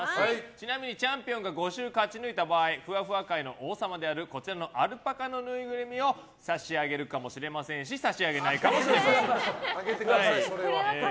ちなみにチャンピオンが５週勝ち抜いた場合ふわふわ界の王様であるアルパカのぬいぐるみを差し上げるかもしれませんしあげてください、それは。